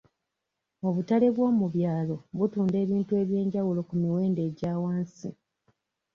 Obutale bw'omu byalo butunda ebintu eby'enjawulo ku miwendo egya wansi.